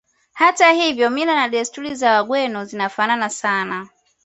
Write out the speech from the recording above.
Hata hivyo mila na desturi za Wagweno zinafanana zaidi